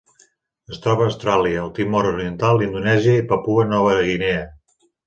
Es troba a Austràlia, el Timor Oriental, Indonèsia i Papua Nova Guinea.